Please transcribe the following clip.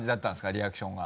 リアクションが。